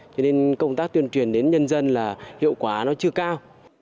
cho nên công tác tuyên truyền đến nhân dân là hiệu quả nó chưa cao